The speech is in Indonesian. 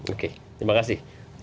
oke terima kasih